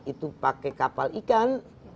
itu pakai kapal ikan